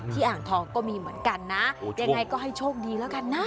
อ่างทองก็มีเหมือนกันนะยังไงก็ให้โชคดีแล้วกันนะ